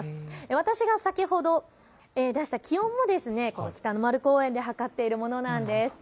私が先ほど出した気温も北の丸公園で測っているものなんです。